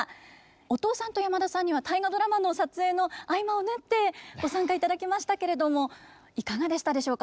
音尾さんと山田さんには「大河ドラマ」の撮影の合間を縫ってご参加いただきましたけれどもいかがでしたでしょうか？